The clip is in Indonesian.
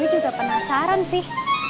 gue juga penasaran sih